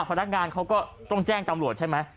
พนักงานเขาก็ต้องแจ้งตำรวจใช่ไหม